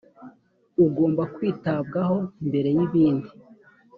ugomba kwitabwaho mbere y’ibindi